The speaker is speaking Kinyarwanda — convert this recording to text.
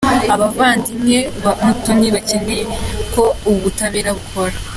Abavandimwe ba Umutoni bakeneye ko ubutabera bukora.